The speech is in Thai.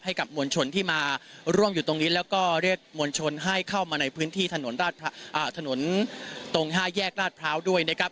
มวลชนที่มาร่วมอยู่ตรงนี้แล้วก็เรียกมวลชนให้เข้ามาในพื้นที่ถนนตรง๕แยกราชพร้าวด้วยนะครับ